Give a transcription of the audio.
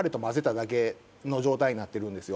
はいの状態になってるんですよ